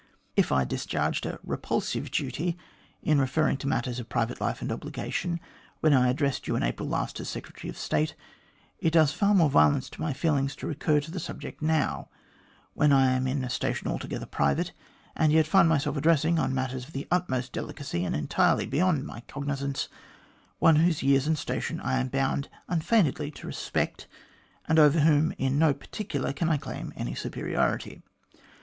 If I discharged a repulsive duty in referring to matters of private life and obligation when I addressed you in April last as Secretary of State, it does far more of violence to my feelings to recur to the subject now, when I also am in a station altogether private, and yet find myself addressing, on matters of the utmost delicacy and entirely beyond my cognizance, one whose years and station I am bound unfeignedly to respect, and over whom in no particular can I claim any superiority.